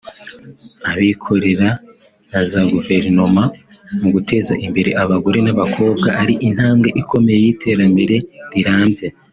abikorera na za Guverinoma mu guteza imbere abagore n’abakobwa ari intambwe ikomeye y’iterambere rirambye